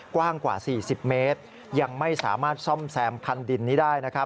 กว้างกว่า๔๐เมตรยังไม่สามารถซ่อมแซมคันดินนี้ได้นะครับ